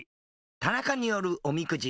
田中によるおみくじ。